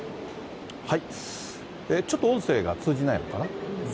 ちょっと音声が通じないのかな。